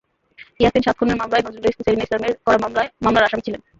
ইয়াছিন সাত খুনের মামলায় নজরুলের স্ত্রী সেলিনা ইসলামের করা মামলার আসামি ছিলেন।